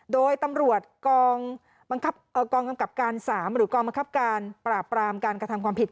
โดยตำรวจกองกำกับการ๓หรือกองบังคับการปราบปรามการกระทำความผิด